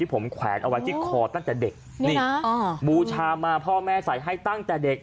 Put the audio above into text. ผมแขวนเอาไว้ที่คอตั้งแต่เด็กนี่บูชามาพ่อแม่ใส่ให้ตั้งแต่เด็ก